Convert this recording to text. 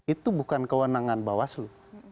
itu bukan kewenangan bawaslu